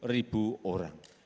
dua puluh ribu orang